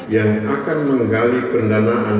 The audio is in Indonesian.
yang akan menggali pendanaan